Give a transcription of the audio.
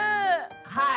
はい。